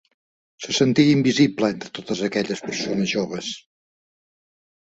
Se sentia invisible entre totes aquelles persones joves.